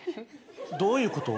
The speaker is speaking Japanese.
どういうこと？